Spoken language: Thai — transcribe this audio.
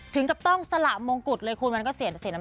ถึงกับต้องสละมงกุฎเลยคุณมันก็เสียน้ำ